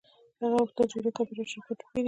هغه غوښتل چې لوی کمپیوټري شرکتونه وپیري